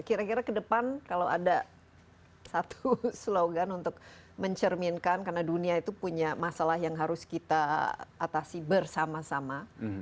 kira kira ke depan kalau ada satu slogan untuk mencerminkan karena dunia itu punya masalah yang harus kita atasi bersama sama